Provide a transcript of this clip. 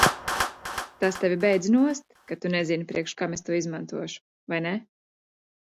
Tas tevi beidz nost, ka tu nezini, priekš kam es to izmantošu, vai ne?